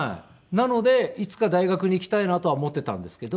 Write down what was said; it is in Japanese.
なのでいつか大学に行きたいなとは思っていたんですけど。